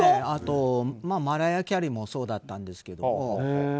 あと、マライア・キャリーもそうだったんですけども。